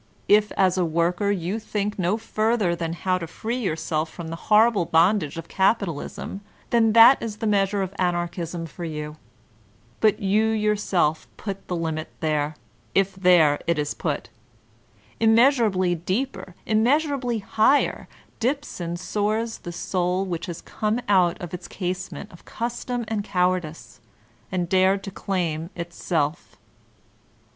If as a worker, you think no further than how to free yourself from the horrible bondage of capitalism, then that is the measure of An archism for you. But you yourself put the limit there, if there it is put. Immeasurably deeper, immeasurably higher, dips and soars the soul which has come out of its casement of custom and cowardice, and dared to claim its Self.